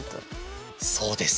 そうです。